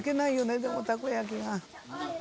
でもたこ焼きが。